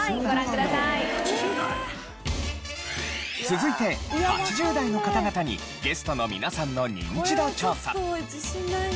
続いて８０代の方々にゲストの皆さんのニンチド調査。